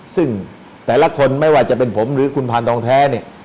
ซึ่งแต่ละคนไม่ว่าจะเป็นผมหรือคุณพานทองแท้เนี่ย